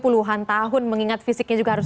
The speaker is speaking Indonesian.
puluhan tahun mengingat fisiknya juga harus